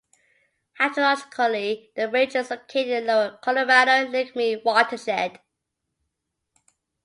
Hydrologically, the range is located in the Lower Colorado-Lake Mead watershed.